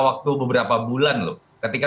waktu beberapa bulan loh ketika